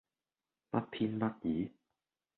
不偏不倚